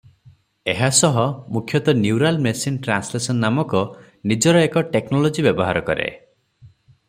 ଏହା ସହ ମୁଖ୍ୟତଃ ନ୍ୟୁରାଲ ମେସିନ ଟ୍ରାସଲେସନ ନାମକ ନିଜର ଏକ ଟେକନୋଲୋଜି ବ୍ୟବହାର କରେ ।